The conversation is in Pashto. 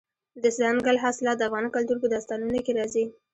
دځنګل حاصلات د افغان کلتور په داستانونو کې راځي.